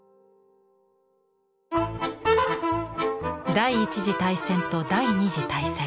第１次大戦と第２次大戦。